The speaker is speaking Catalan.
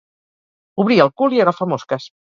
Obrir el cul i agafar mosques.